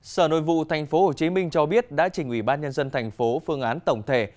sở nội vụ tp hcm cho biết đã chỉnh ủy ban nhân dân tp hcm phương án tổng thể